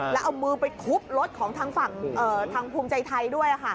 แล้วเอามือไปทุบรถของทางฝั่งทางภูมิใจไทยด้วย